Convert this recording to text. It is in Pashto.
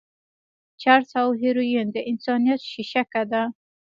چرس او هيروين د انسانيت شېشکه ده.